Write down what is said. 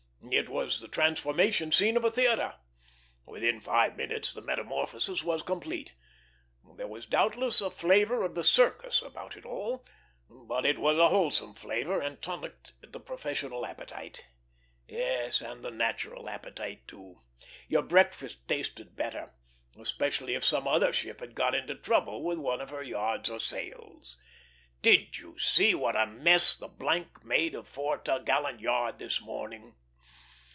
It was the transformation scene of a theatre; within five minutes the metamorphosis was complete. There was doubtless a flavor of the circus about it all, but it was a wholesome flavor and tonicked the professional appetite. Yes, and the natural appetite, too; your breakfast tasted better, especially if some other ship had got into trouble with one of her yards or sails. "Did you see what a mess the made of fore topgallant yard this morning?"